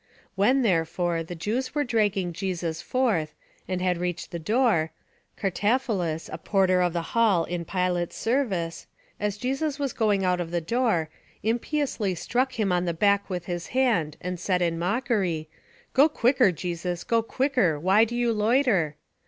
When, therefore, the Jews were dragging Jesus forth, and had reached the door, Cartaphilus, a porter of the hall in Pilate's service, as Jesus was going out of the door, impiously struck Him on the back with his hand, and said in mockery, "Go quicker, Jesus, go quicker; why do you loiter?"